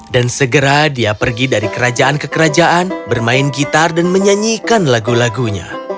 dan segera dia pergi dari kerajaan ke kerajaan bermain gitar dan menyanyikan lagu lagunya